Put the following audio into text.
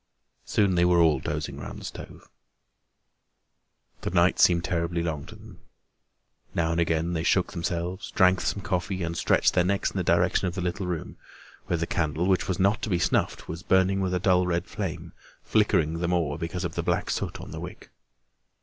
Soon they were all dozing around the stove. The night seemed terribly long to them. Now and again they shook themselves, drank some coffee and stretched their necks in the direction of the little room, where the candle, which was not to be snuffed, was burning with a dull red flame, flickering the more because of the black soot on the wick.